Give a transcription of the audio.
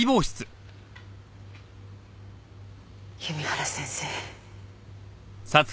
弓原先生。